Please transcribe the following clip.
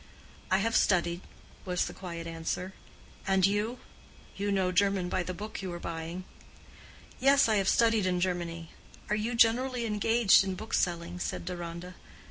"I have studied," was the quiet answer. "And you?—You know German by the book you were buying." "Yes, I have studied in Germany. Are you generally engaged in bookselling?" said Deronda.